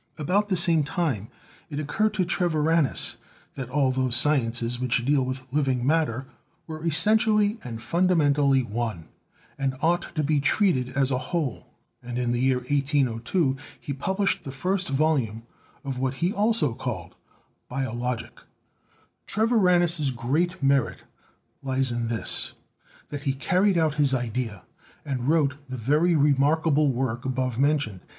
About the same time it occurred to Treviranus, that all those sciences which deal with living matter were essentially and funda mentally one, and ought to be treated as a whole; and, in the year 1802, he published the first volume of what he also called "Biologic" Treviranus's great merit lies in this, that he carried out his idea, and wrote the very re markable work above mentioned.